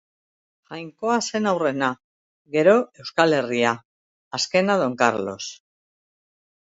Jainkoa zen aurrena, gero Euskal Herria, azkena Don Karlos.